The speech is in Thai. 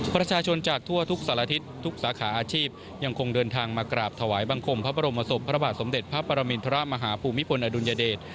ประชาชนจากทั่วทุกสารทิศทุกสาขาอาชีพยังคงเดินทางมากราบถวายบังคมพระบรมศพพระบาทสมเด็จพระปรมินทรมาฮภูมิพลอดุลยเดช